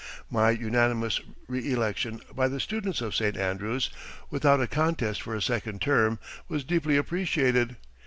My unanimous reëlection by the students of St. Andrews, without a contest for a second term, was deeply appreciated.